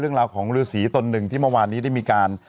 เรื่องราวของฤษีสินตึกที่เมื่อมานีได้มีการ